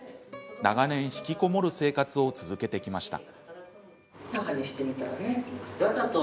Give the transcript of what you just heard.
長年、引きこもる生活を続けてきました。